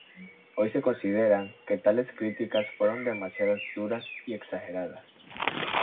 Hoy se consideran que tales críticas fueron demasiados duras y exageradas.